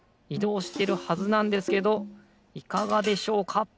いどうしてるはずなんですけどいかがでしょうか？